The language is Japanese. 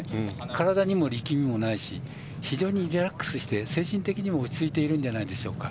体にも力みもないし非常にリラックスして精神的にも落ち着いているんじゃないでしょうか。